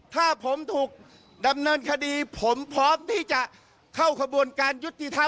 ถ้าผมถูกดำเนินคดีผมพร้อมที่จะเข้าขบวนการยุติธรรม